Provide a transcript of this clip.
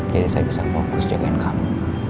jadi saya bisa fokus jagain kamu